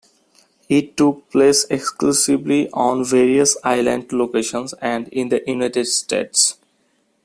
It took place exclusively on various island locations and in the United States.